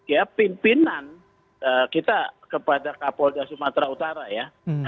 ya pimpinan kita kepada kapolda sumatera utara ya